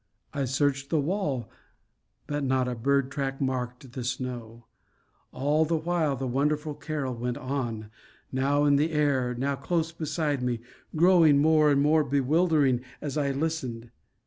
I searched the wall; but not a bird track marked the snow. All the while the wonderful carol went on, now in the air, now close beside me, growing more and more bewildering as I listened.